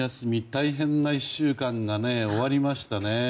大変な１週間が終わりましたね。